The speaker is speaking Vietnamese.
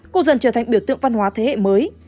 cô dân trở thành biểu tượng văn hóa thế hệ mới